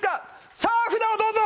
さあ、札をどうぞ。